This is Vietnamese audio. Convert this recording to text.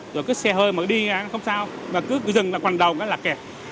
rồi cứ xe hơi mà đi là không sao mà cứ dừng là quành đồng là kẹt